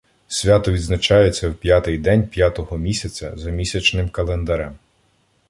Свято відзначається в п'ятий день п'ятого місяця за місячним календарем.